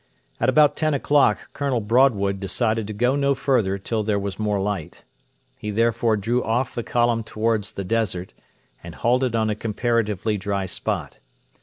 At about ten o'clock Colonel Broadwood decided to go no further till there was more light. He therefore drew off the column towards the desert, and halted on a comparatively dry spot.